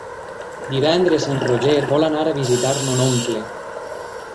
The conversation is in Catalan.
Divendres en Roger vol anar a visitar mon oncle.